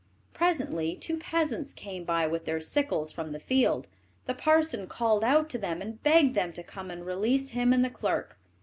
Presently two peasants came by with their sickles from the field. The parson called out to them, and begged them to come and release him and the clerk.